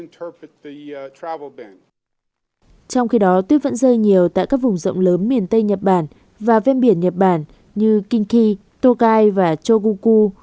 trong khi đó tuyết vẫn rơi nhiều tại các vùng rộng lớn miền tây nhật bản và ven biển nhật bản như kinky tokai và chogoku